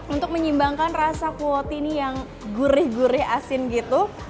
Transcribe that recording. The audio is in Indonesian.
untuk mengimbangkan rasa kue tie ini yang gurih gurih asin gitu